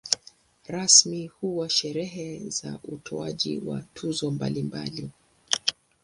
Rasmi huwa sherehe za utoaji wa tuzo mbalimbali.